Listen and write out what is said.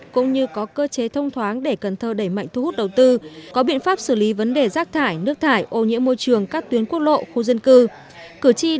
cũng như có cơ chế thông thoáng để cần thơ đẩy mạnh thu hút đầu tư có biện pháp xử lý vấn đề rác thải nước thải ô nhiễm môi trường các tuyến quốc lộ khu dân cư